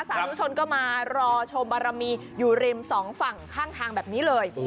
สาธุชนก็มารอชมบารมีอยู่ริมสองฝั่งข้างทางแบบนี้เลย